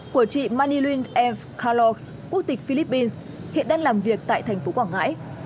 của chị manilin m kalog quốc tịch philippines hiện đang làm việc tại thành phố quảng ngãi